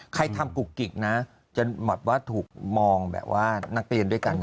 ใครทำกุกกิกนะจะแบบว่าถูกมองแบบว่านักเรียนด้วยกันนะ